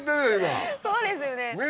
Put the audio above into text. そうですよね。